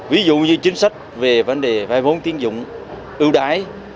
ví dụ như chính sách về vấn đề vai vốn tiến dụng ưu đái